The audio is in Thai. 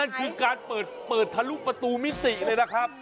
คือการเปิดทะลุประตูมิติเลยนะครับ